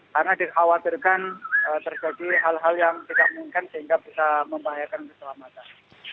karena dikhawatirkan terjadi hal hal yang tidak mungkin sehingga bisa membahayakan keselamatan